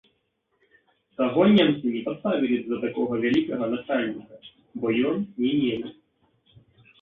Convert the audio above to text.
Таго немцы не паставілі б за такога вялікага начальніка, бо ён не немец.